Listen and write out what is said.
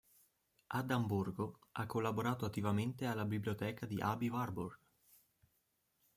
Ad Amburgo ha collaborato attivamente alla biblioteca di Aby Warburg.